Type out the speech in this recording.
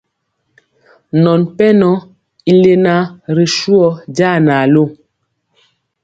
Nɔn pɛnɔ i lena ri suhɔ jaa na lu.